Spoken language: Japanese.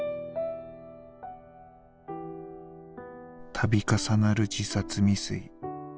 「度重なる自殺未遂。